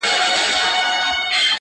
پروت په سترګو کي مي رنګ رنګ د نسو دی،